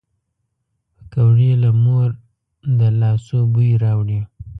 پکورې له مور د لاسو بوی راوړي